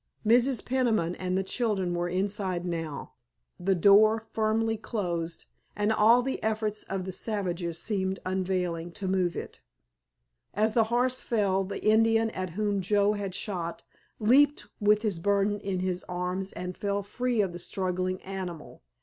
Mrs. Peniman and the children were inside now, the door firmly closed, and all the efforts of the savages seemed unavailing to move it. As the horse fell the Indian at whom Joe had shot leaped with his burden in his arms, and fell free of the struggling animal.